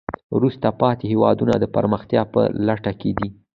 وروسته پاتې هېوادونه د پرمختیا په لټه کې دي.